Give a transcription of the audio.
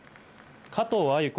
加藤鮎子